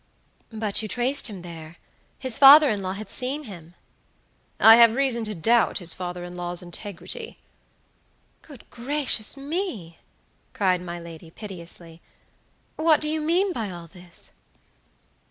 "But you traced him there. His father in law had seen him." "I have reason to doubt his father in law's integrity." "Good gracious me!" cried my lady, piteously. "What do you mean by all this?"